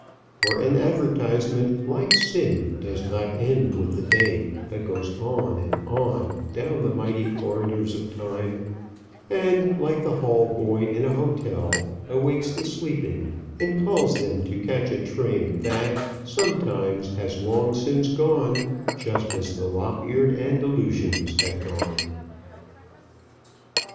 For an advertisement, like sin, does not end with the day, but goes on and on, down the mighty corridors of time, and, like the hall boy in a hotel, awakes the sleeping, and calls them to catch a train that, sometimes, has long since gone, just as the lop eared Andalusians have gone.